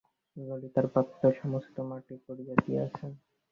ললিতার বাপ তো সমস্ত মাটি করিয়াই দিয়াছিলেন।